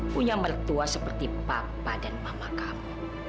punya mertua seperti papa dan mama kamu